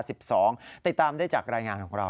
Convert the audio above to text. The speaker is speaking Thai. ติดตามได้จากรายงานของเรา